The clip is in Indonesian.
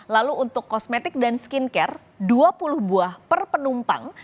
lalu untuk kosmetik dan skincare dua puluh buah per penumpang